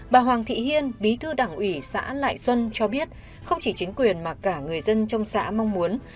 bà hoàng thị hiên bí thư đảng ủy xã lại xuân cho biết không chỉ chính quyền mà cả người dân trong xã mong muốn